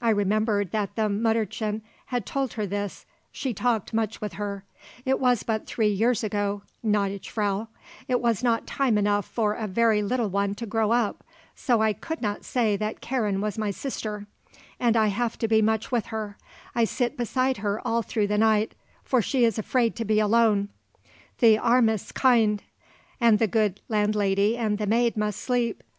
I remembered that the Mütterchen had told her this; she talked much with her; it was but three years ago, gnädige Frau; it was not time enough for a very little one to grow up; so I could not say that Karen was my sister; and I have to be much with her; I sit beside her all through the night for she is afraid to be alone, the armes Kind; and the good landlady and the maid must sleep.